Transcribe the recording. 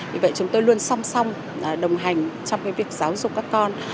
vì vậy chúng tôi luôn song song đồng hành trong việc giáo dục các con